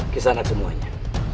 kisah anak semuanya